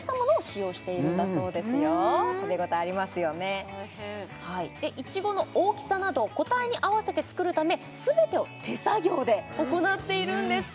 おいしいいちごの大きさなど個体に合わせて作るため全てを手作業で行っているんです